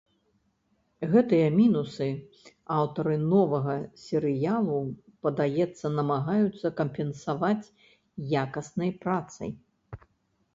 Гэтыя мінусы аўтары новага серыялу, падаецца, намагаюцца кампенсаваць якаснай працай.